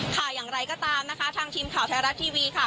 ค่ะอย่างไรก็ตามนะคะทางทีมข่าวไทยรัฐทีวีค่ะ